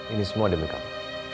ini semua demi kamu